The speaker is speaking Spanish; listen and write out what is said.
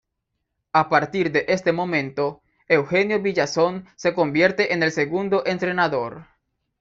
A partir de este momento, Eugenio Villazón se convierte en el segundo entrenador.